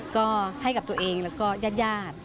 ก็ให้กับตัวเองแล้วก็ญาติญาติ